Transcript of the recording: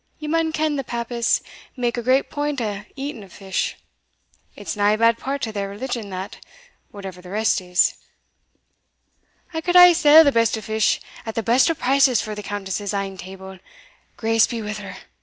Ye maun ken the papists make a great point o' eating fish it's nae bad part o' their religion that, whatever the rest is I could aye sell the best o' fish at the best o' prices for the Countess's ain table, grace be wi' her!